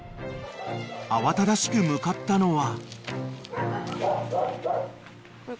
［慌ただしく向かったのは］